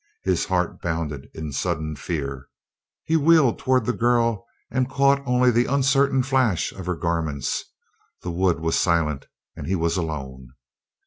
His heart bounded in sudden fear; he wheeled toward the girl, and caught only the uncertain flash of her garments the wood was silent, and he was alone.